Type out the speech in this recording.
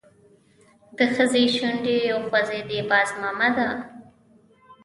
د ښځې شونډې وخوځېدې: باز مامده!